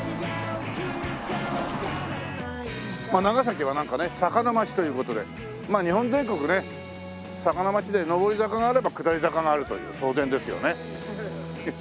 長崎はなんかね坂の町という事でまあ日本全国ね坂の町で上り坂があれば下り坂があるという当然ですよね。